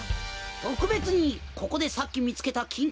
とくべつにここでさっきみつけたきん